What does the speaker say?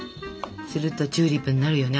するとチューリップになるよね